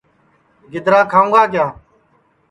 گِدرا کھاؤں گا کِیا